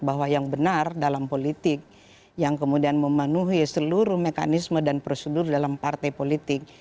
bahwa yang benar dalam politik yang kemudian memenuhi seluruh mekanisme dan prosedur dalam partai politik